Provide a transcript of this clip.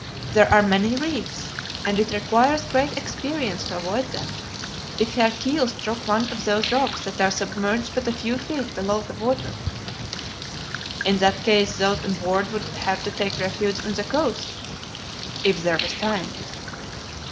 There are many reefs, and it requires great experience to avoid them. The strongest ship would be lost if her keel struck one of those rocks that are submerged but a few feet below the water." "In that case those on board would have to take refuge on the coast." "If there was time."